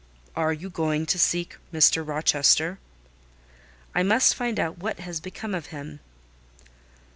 "Are you going to seek Mr. Rochester?" "I must find out what is become of him."